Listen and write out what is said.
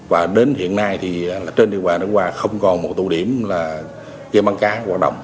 và đến hiện nay trên địa bàn đức hòa không còn một tụ điểm game bắn cá hoạt động